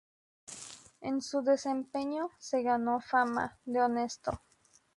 En su desempeño se ganó fama de honesto.